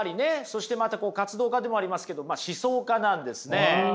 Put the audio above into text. そしてまた活動家でもありますけど思想家なんですね。